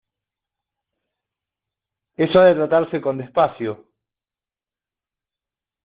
eso ha de tratarse con despacio.